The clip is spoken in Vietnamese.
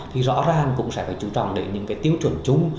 thì rõ ràng cũng sẽ phải chú trọng đến những cái tiêu chuẩn chung